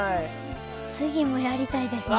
次もやりたいですね。